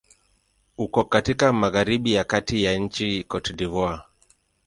Uko katika magharibi ya kati ya nchi Cote d'Ivoire.